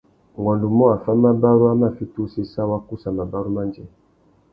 Ungôndumô, affámabarú a mà fiti usséssa wa kussa mabarú mandjê.